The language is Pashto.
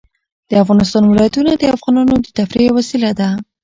د افغانستان ولايتونه د افغانانو د تفریح یوه وسیله ده.